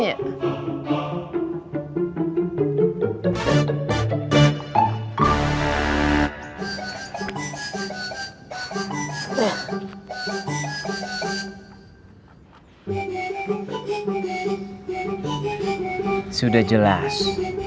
jika tidak terpaksa